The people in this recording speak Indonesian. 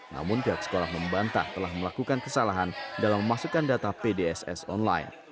namun pihak sekolah membantah telah melakukan kesalahan dalam memasukkan data pdss online